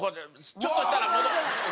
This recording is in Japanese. ちょっとしたら戻って。